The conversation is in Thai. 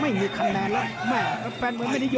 ต้องออกครับอาวุธต้องขยันด้วย